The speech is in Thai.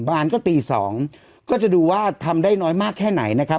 บานก็ตี๒ก็จะดูว่าทำได้น้อยมากแค่ไหนนะครับ